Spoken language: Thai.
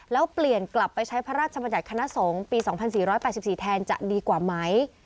แล้วเปลี่ยนกลับไปใช้พระราชบัญญัติคณะสงฆ์ปี๒๔๘๔แทนจะดีกว่าไหม